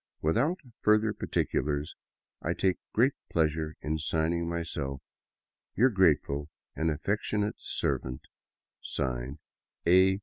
Without further particulars, etc., I take great pleasure in signing myself Your grateful and affectionate servant, (Signed) A.